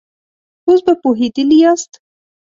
اوس به پوهېدلي ياست.